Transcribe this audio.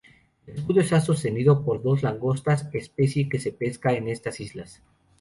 El escudo está sostenido por dos langostas, especie que se pesca en estas islas.